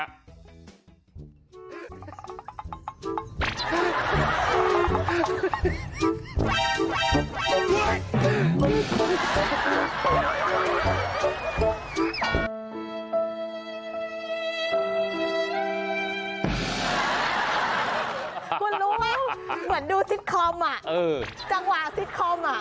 คุณรู้ไหมเหมือนดูซิตคอมอ่ะจังหวะซิตคอมอ่ะ